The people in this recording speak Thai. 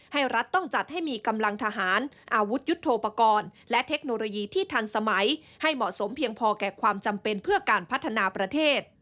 รัฐต้องจัดให้มีกำลังทหารอาวุธยุทธโปรกรณ์และเทคโนโลยีที่ทันสมัยให้เหมาะสมเพียงพอแก่ความจำเป็นเพื่อการพัฒนาประเทศ